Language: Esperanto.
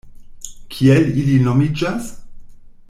Kiel ili nomiĝas?